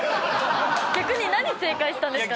逆に何正解したんですかね。